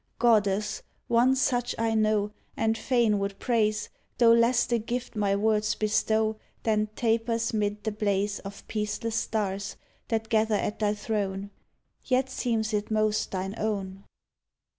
Goddess, one such I know, And fain would praise, Tho less the gift my words bestow Than tapers 'mid the blaze Of peaceless stars that gather at thy throne. Yet seems it most thine own.